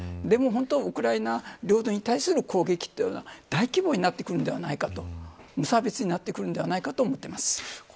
でもウクライナ領土に対する攻撃というのは大規模になってくるのではないか無差別になってくるのではないかと思っています。